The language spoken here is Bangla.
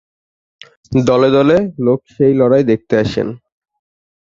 দলে দলে লোক সেই লড়াই দেখতে আসেন।